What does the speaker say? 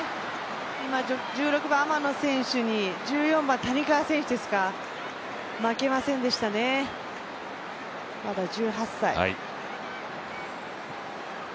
今、１６番・天野選手に１４番・谷川選手、負けませんでしたね、まだ１８歳。